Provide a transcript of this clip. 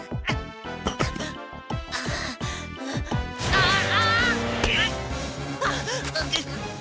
あっ！